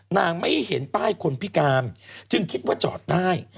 นางไม่เห็นป้ายคนพิการจึงคิดว่าจอดได้